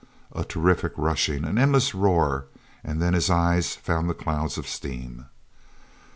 A terrific rushing, an endless roar—and then his eyes found the clouds of steam.